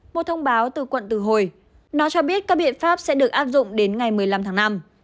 một thông báo từ quận từ hồi nó cho biết các biện pháp sẽ được áp dụng đến ngày một mươi năm tháng năm